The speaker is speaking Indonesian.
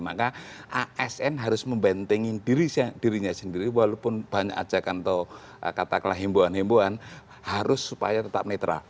maka asn harus membentengi dirinya sendiri walaupun banyak ajakan atau katakanlah himbuan himbuan harus supaya tetap netral